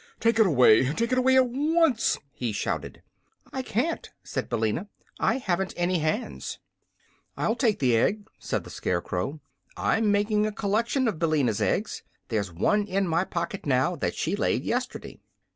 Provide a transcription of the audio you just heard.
"Take it away! Take it away at once!" he shouted. "I can't," said Billina. "I haven't any hands." "I'll take the egg," said the Scarecrow. "I'm making a collection of Billina's eggs. There's one in my pocket now, that she laid yesterday."